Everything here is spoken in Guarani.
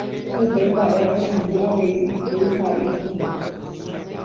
Upe mba'e oñandu avei isy ha itúva.